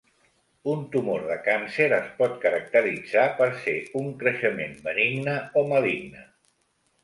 Un tumor de càncer es pot caracteritzar per ser un creixement benigne o maligne.